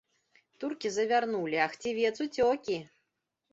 Туркі завярнулі, а хцівец уцёкі!